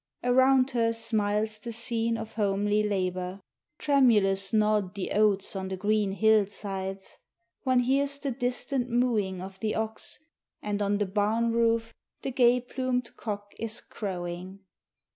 Around her smiles the scene of homely labor; tremulous nod the oats on the green hillsides; one hears the distant mooing of the ox, and on the barn roof the gay plumed cock is crowing.